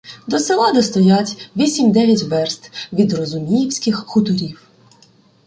До села, де стоять, — вісім-дев'ять верст від Розуміївських хуторів.